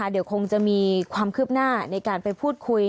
เดี๋ยวคงจะมีความคืบหน้าในการไปพูดคุย